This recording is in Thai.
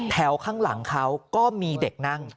ข้างหลังเขาก็มีเด็กนั่ง